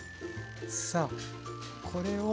さあこれを。